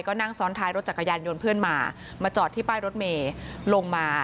ก็นั่งซ้อนท้ายรถจักรยานยนต์เพื่อนมามาจอดที่ป้ายรถเมย์ลงมา